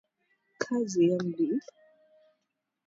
Kazi Md.